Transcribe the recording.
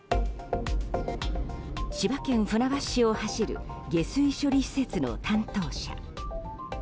千葉県船橋市を走る下水処理施設の担当者。